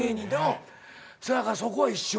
そやからそこは一緒。